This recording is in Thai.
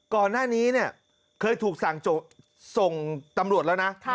ก่อนหน้านี้เนี่ยเคยถูกสั่งส่งตำรวจแล้วนะ